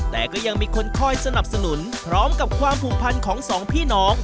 แต่ก็ยังมีคนคอยสนับสนุนพร้อมกับความผูกพันของสองพี่น้อง